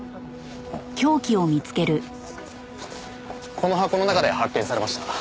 この箱の中で発見されました。